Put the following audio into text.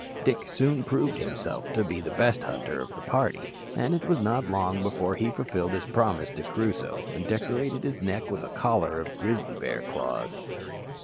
Dick soon proved himself to be the best hunter of the party, and it was not long before he fulfilled his promise to Crusoe and decorated his neck with a collar of grizzly bear claws.